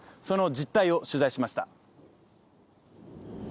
その実態を取材しました。